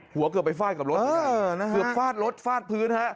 หัวเกือบไปฟาดกับรถเออนะฮะเกือบฟาดรถฟาดพื้นฮะ